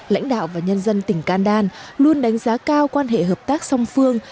lãnh đạo và nhân dân tỉnh kandan luôn đánh giá cao quan hệ hợp tác song phương